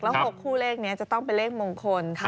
๖คู่เลขนี้จะต้องเป็นเลขมงคล